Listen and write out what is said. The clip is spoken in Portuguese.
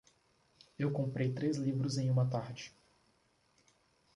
Eu comprei três livros em uma tarde.